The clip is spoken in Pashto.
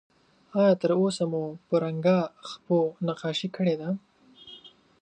آیا تر اوسه مو په رنګه خپو نقاشي کړې ده؟